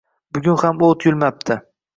bugun ham oʼt yulmabdi!